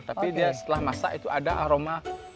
tapi dia setelah masak itu ada aroma